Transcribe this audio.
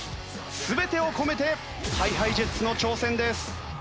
全てを込めてＨｉＨｉＪｅｔｓの挑戦です。